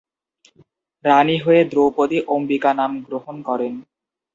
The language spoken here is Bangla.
রানী হয়ে দ্রৌপদী অম্বিকা নাম গ্রহণ করেন।